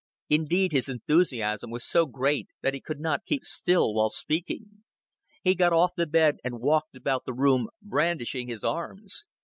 Indeed his enthusiasm was so great that he could not keep still while speaking. He got off the bed, and walked about the room, brandishing his arms.